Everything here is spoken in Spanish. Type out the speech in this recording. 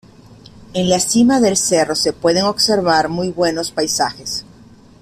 En la cima del cerro se pueden observar muy buenos paisajes.